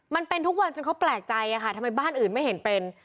มันเป็นทุกวันจนเขาแปลกใจอะค่ะทำไมบ้านอื่นไม่เห็นเป็น